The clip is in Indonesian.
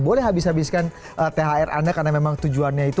boleh habis habiskan thr anda karena memang tujuannya itu